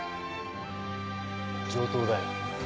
上等だよ。